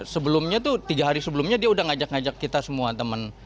sebelumnya tuh tiga hari sebelumnya dia udah ngajak ngajak kita semua teman